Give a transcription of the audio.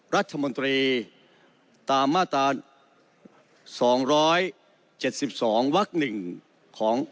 รัฐมนตรีตามมาตราสองร้อยเจ็ดสิบสองวักหนึ่งของ